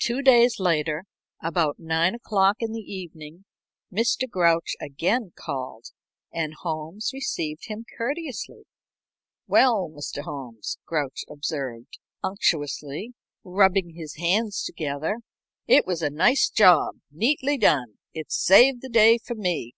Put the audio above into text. Two days later, about nine o'clock in the evening, Mr. Grouch again called, and Holmes received him courteously. "Well, Mr. Holmes," Grouch observed, unctuously, rubbing his hands together, "it was a nice job, neatly done. It saved the day for me.